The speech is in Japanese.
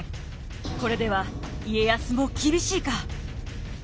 これでは家康も厳しいか？